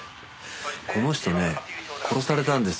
この人ね殺されたんです。